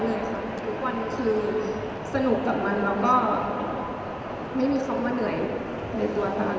ทุกวันคือสนุกกับมันแล้วก็ไม่มีความเมื่อเหนื่อยในตัวของคุณครับ